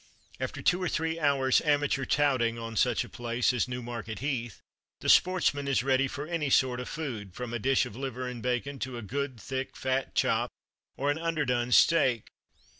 After two or three hours "amateur touting" on such a place as Newmarket Heath, the sportsman is ready for any sort of food, from a dish of liver and bacon to a good, thick fat chop, or an underdone steak.